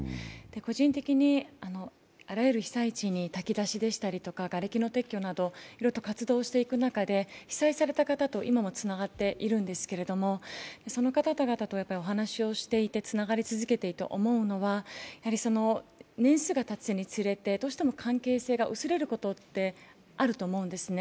個人的にあらゆる被災地に、炊き出しですとか、がれきの撤去など、いろいろと活動していく中で、被災された方と今もつながっているんですけれど、その方とお話をしていて、つながり続けていて、思うのは年数がたつにつれてどうしても関係性が薄れることってあると思うんですね。